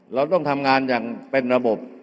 เราต้องทำงานอย่างเป็นระบบ